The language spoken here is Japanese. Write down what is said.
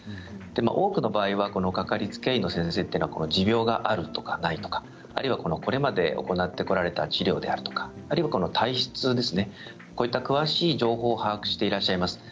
多くの場合は掛かりつけ医の先生というのは持病があるとかないとかこれまで行ってこられた治療であるとか体質など詳しい情報を把握していらっしゃいます。